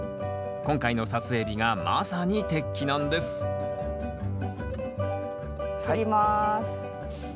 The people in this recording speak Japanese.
今回の撮影日がまさに適期なんです切ります。